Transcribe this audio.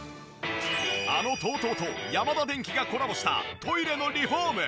あのＴＯＴＯとヤマダデンキがコラボしたトイレのリフォーム。